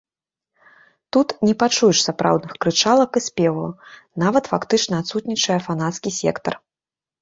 Тут не пачуеш сапраўдных крычалак і спеваў, нават фактычна адсутнічае фанацкі сектар.